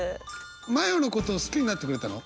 マヨのこと好きになってくれたの？